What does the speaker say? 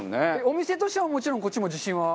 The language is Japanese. お店としてはもちろんこっちも自信は？